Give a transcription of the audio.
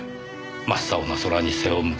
真っ青な空に背を向けても。